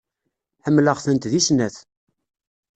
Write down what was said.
Ḥemmleɣ-tent deg snat.